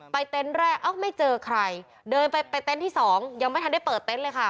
เต็นต์แรกเอ้าไม่เจอใครเดินไปไปเต็นต์ที่สองยังไม่ทันได้เปิดเต็นต์เลยค่ะ